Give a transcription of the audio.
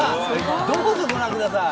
どうぞご覧ください。